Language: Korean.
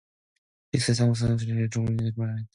기숙사 상층 사호실에서 여공들이 자리에 누우며 이런 말을 하였다.